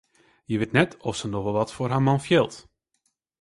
Hja wit net oft se noch wol wat foar har man fielt.